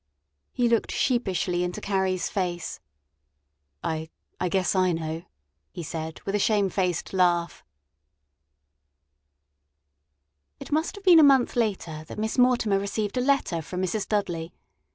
He looked sheepishly into Carrie's face. "I I guess I know," he said with a shame faced laugh. It must have been a month later that Miss Mortimer received a letter from Mrs. Dudley.